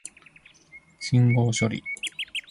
信号処理